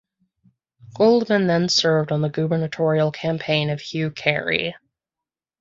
Goldman then served on the gubernatorial campaign of Hugh Carey.